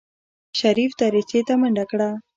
شريف دريڅې ته منډه کړه.